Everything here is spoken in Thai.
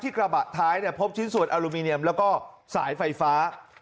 ที่กระบะท้ายพบชิ้นสวนวินทร์และสายไฟฟ้า